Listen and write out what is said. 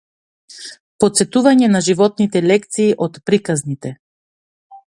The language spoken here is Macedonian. Потсетување на животните лекции од приказните